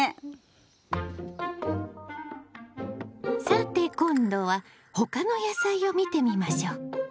さて今度は他の野菜を見てみましょう。